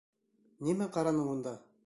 Нимә ҡараның унда?